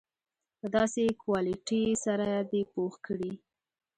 په داسې کوالیټي سره دې پوخ کړي.